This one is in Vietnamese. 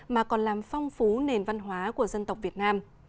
mà còn làm phong phú nền văn hóa của dân tộc việt nam